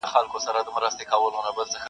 یو په یو یې ور حساب کړله ظلمونه-